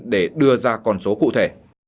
để đưa ra con số cụ thể